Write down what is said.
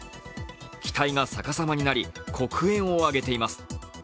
機体が逆さまになり黒煙を上げています。